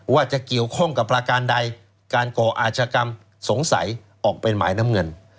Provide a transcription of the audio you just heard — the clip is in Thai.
ว่าจะเกี่ยวข้องกับประการใดการก่ออาชกรรมสงสัยออกเป็นหมายน้ำเงิน